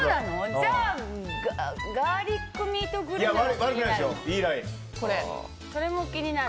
じゃあガーリックミートグルメも気になる。